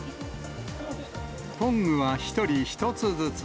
トングは１人１つずつ。